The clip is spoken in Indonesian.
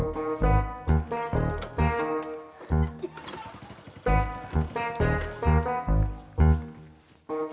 bang cepetan dong